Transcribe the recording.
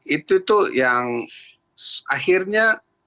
itu tuh yang akhirnya